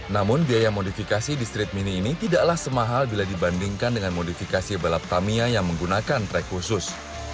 namun biaya modifikasi di street mini ini tidaklah semahal bila dibandingkan dengan modifikasi balap tamiya yang menggunakan track khusus